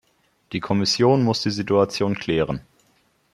Die Kommission muss die Situation klären.